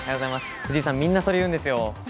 藤井さん、みんなそれを言うんですよ。